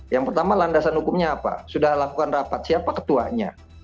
yang pertama landasan hukumnya apa sudah lakukan rapat siapa ketuanya